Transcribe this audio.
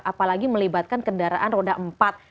apalagi melibatkan kendaraan roda empat